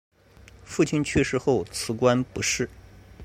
父亲去世后辞官不仕。